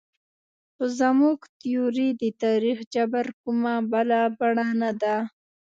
خو زموږ تیوري د تاریخ جبر کومه بله بڼه نه ده.